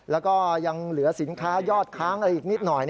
แล้วก็ยังเหลือสินค้ายอดค้างอะไรอีกนิดหน่อย